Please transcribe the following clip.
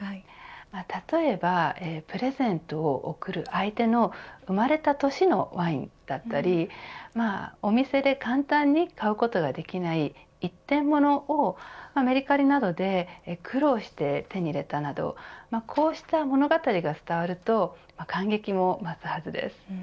例えばプレゼントを贈る相手の生まれた年のワインだったりお店で簡単に買うことができない一点物をメルカリなどで苦労して手に入れたなどこうした物語が伝わると感激も増すはずです。